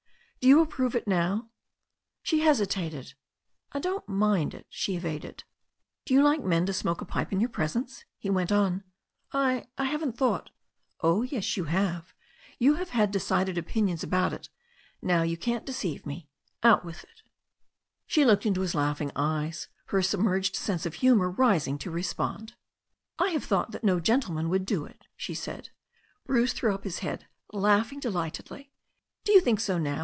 "Do you approve it now?" She hesitated. "I don't mind it," she evaded. "Do you like men to smoke a pipe in your presence?" he went on. "I— I haven't thought " "Oh, yes, you have. You have had decided opinions about ft. Now you can't deceive me. Out with it." 156 THE STORY OF A NEW ZEALAND RIVER She looked into his laughing eyes, her submerged sense of humour rising to respond. "I have thought that no gentleman would do it," she said. Bruce threw up his head, laughing delightedly. "Do you think so now